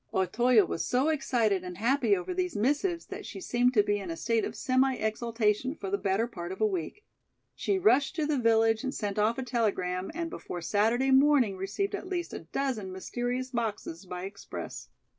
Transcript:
Otoyo was so excited and happy over these missives that she seemed to be in a state of semi exaltation for the better part of a week. She rushed to the village and sent off a telegram and before Saturday morning received at least a dozen mysterious boxes by express.